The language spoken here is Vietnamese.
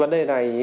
vấn đề này